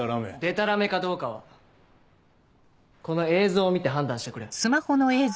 デタラメかどうかはこの映像を見て判断してくれ。